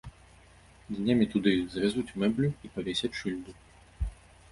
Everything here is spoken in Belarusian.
Днямі туды завязуць мэблю і павесяць шыльду.